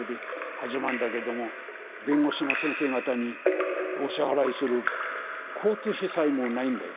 始まんだけども弁護士の先生方にお支払いする交通費さえもないんだよ。